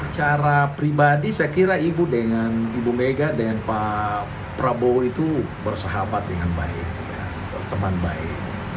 cara pribadi saya kira ibu dengan ibu mega dengan pak prabowo itu bersahabat dengan baik berteman baik